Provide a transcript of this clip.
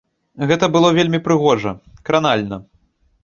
Гэта было вельмі прыгожа, кранальна.